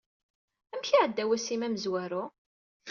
Amek i iɛedda wass-im amezwaru?